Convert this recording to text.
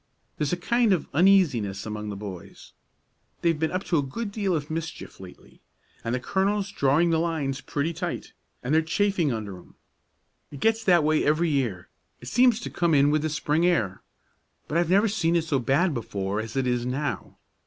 There's a kind of uneasiness among the boys; they've been up to a good deal of mischief lately, and the colonel's drawing the lines pretty tight, and they're chafing under 'em. It gets that way every year, it seems to come in with the spring air; but I've never seen it so bad before as it is now.